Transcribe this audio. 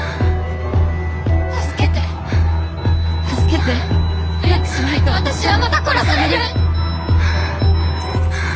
助けて助けて！早くしないと私はまた殺される！